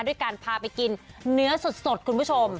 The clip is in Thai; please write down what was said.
ด้วยการพาไปกินเนื้อสดคุณผู้ชม